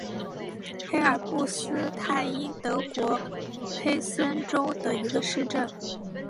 黑尔布斯泰因是德国黑森州的一个市镇。